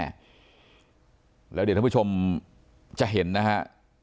แล้วเดี๋ยวท่านผู้ชมจะเห็นนะฮะ